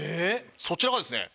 そちらがですね。